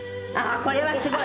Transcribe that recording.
これはすごい！